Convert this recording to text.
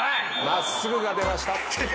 「真っ直ぐ」が出ました。